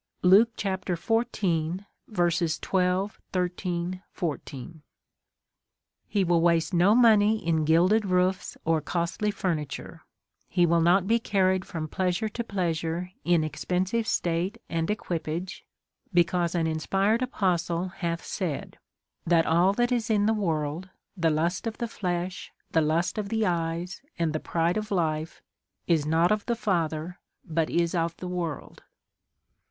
Luke xiv, 12, 13, 14. . He will waste no money in gilded roofs or costly (( V furniture; he will not be carried from pleasure to pleasure in expensive state and equipage, because an inspired apostle hath said, that all that is in the world, the lust of the Hesh, the lust of the eyes, and the pride t^ «i^tv) ©f life, is not of the Father, but is of the world.